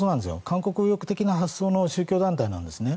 韓国右翼的な発想の宗教団体なんですね。